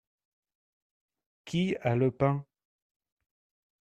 Qui a le pain ?